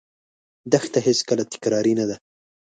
دښته هېڅکله تکراري نه ده.